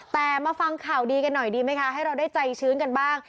แต่มาฟังข่าวดีกันหน่อยดีไหมคะให้เราได้ใจชื้นกันบ้าง